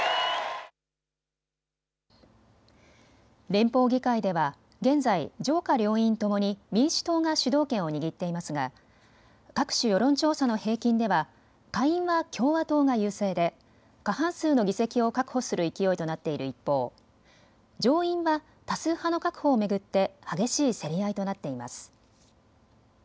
連邦議会では現在、上下両院ともに民主党が主導権を握っていますが各種世論調査の平均では下院は共和党が優勢で過半数の議席を確保する勢いとなっている一方、上院は多数派の確保を巡って激しい競り合いとなっています。